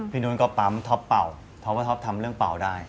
นุ้นก็ปั๊มท็อปเป่าเพราะว่าท็อปทำเรื่องเป่าได้